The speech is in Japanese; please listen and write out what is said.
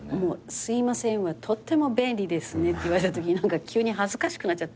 「『すいません』はとっても便利ですね」って言われたとき何か急に恥ずかしくなっちゃって。